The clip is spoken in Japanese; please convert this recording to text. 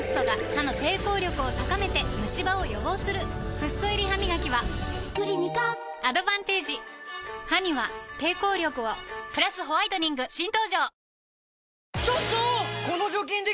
フッ素入りハミガキは歯には抵抗力をプラスホワイトニング新登場！